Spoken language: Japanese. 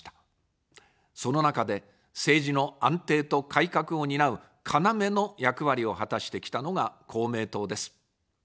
その中で、政治の安定と改革を担う要の役割を果たしてきたのが公明党です。